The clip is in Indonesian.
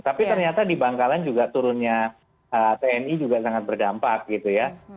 tapi ternyata di bangkalan juga turunnya tni juga sangat berdampak gitu ya